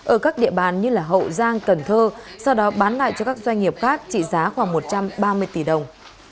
ở các địa bàn như hậu giang cần thơ sau đó bán lại cho các doanh nghiệp khác trị giá khoảng một trăm ba mươi tỷ đồng